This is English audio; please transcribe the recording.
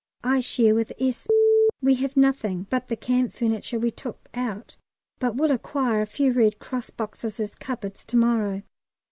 I share with S . We have nothing but the camp furniture we took out, but will acquire a few Red Cross boxes as cupboards to morrow.